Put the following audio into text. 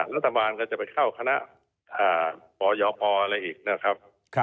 รัฐบาลก็จะไปเข้าคณะปยพอะไรอีกนะครับ